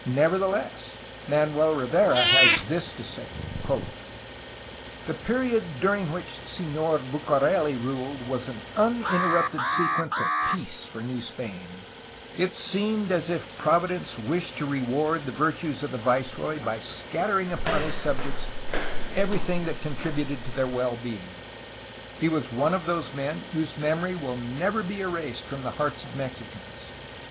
Nevertheless, Man uel Rivera has this to say : ''The period during which Senor Bucareli ruled was an unin terrupted sequence of peace for New Spain; it seemed as if Prov idence wished to reward the virtues of the viceroy by scattering upon his subjects everything that contributed to their well being; he was one of those men whose memory will never be erased from the heart of Mexicans.